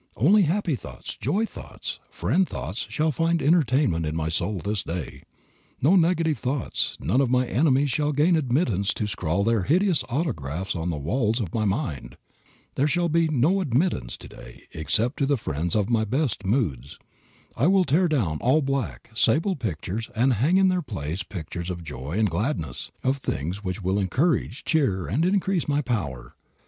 Only happy thoughts, joy thoughts, friend thoughts shall find entertainment in my soul this day. No negative thoughts, none of my enemies shall gain admittance to scrawl their hideous autographs on the walls of my mind. There shall be 'no admittance' to day, except to the friends of my best moods. I will tear down all black, sable pictures and hang in their place pictures of joy and gladness, of things which will encourage, cheer, and increase my power.